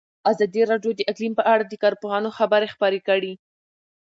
ازادي راډیو د اقلیم په اړه د کارپوهانو خبرې خپرې کړي.